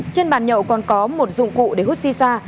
trên bàn nhậu còn có một dụng cụ để hút si sa